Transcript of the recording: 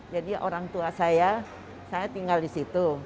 jadi orang tua saya saya tinggal di situ